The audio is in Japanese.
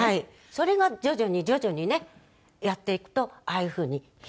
それが徐々に徐々にねやっていくとああいう風に開けるようになる。